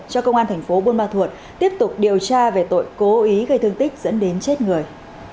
cho công an thành phố buôn ma thuột tiếp tục điều tra về tội cố ý gây thương tích dẫn đến chết người